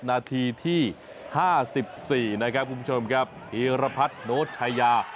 นาทีที่๕๔นะครับคุณผู้ชมครับอีรพัฒน์โน้ตชายา